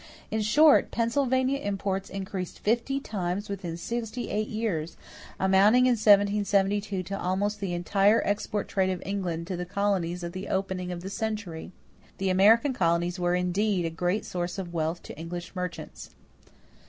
In short, Pennsylvania imports increased fifty times within sixty eight years, amounting in 1772 to almost the entire export trade of England to the colonies at the opening of the century. The American colonies were indeed a great source of wealth to English merchants.